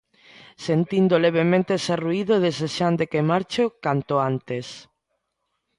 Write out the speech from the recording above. Sentindo levemente ese ruído e desexando que marche canto antes.